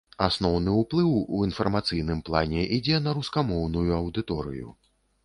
Асноўны ўплыў у інфармацыйным плане ідзе на рускамоўную аўдыторыю.